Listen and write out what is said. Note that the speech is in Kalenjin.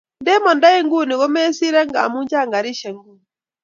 nde mandoi nguni komesirei amu chang garishek nguni